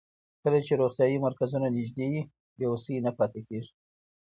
کله چې روغتیايي مرکزونه نږدې وي، بې وسۍ نه پاتې کېږي.